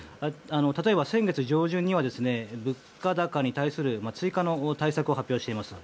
例えば先月上旬には物価高に対する追加の対策を発表しています。